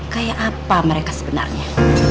kayak apa mereka sebenarnya